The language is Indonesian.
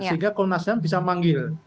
sehingga kompolnas ham bisa memanggil